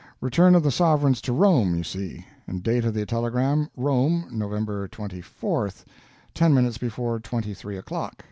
Return of the sovereigns to Rome, you see. Date of the telegram, Rome, November 24, ten minutes before twenty three o'clock.